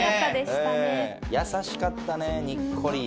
優しかったねえにっこり。